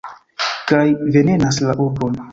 Kaj venenas la urbon.